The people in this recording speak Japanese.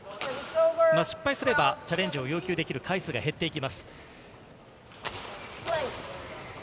失敗すれば、チャレンジを要求できる回数が減っていきます。